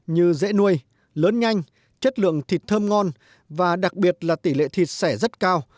như dễ nuôi lớn nhanh chất lượng thịt thơm ngon và đặc biệt là tỷ lệ thịt xẻ rất cao